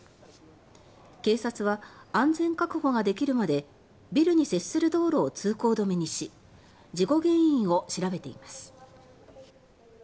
警察は、安全確保ができるまでビルに接する道路を通行止めにし事故原因を調べています。